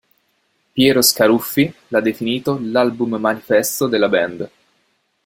Piero Scaruffi l'ha definito l'album-manifesto della band.